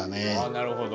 なるほど。